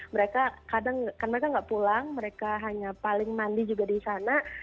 mereka kadang kan mereka nggak pulang mereka hanya paling mandi juga di sana